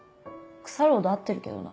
腐るほど会ってるけどな。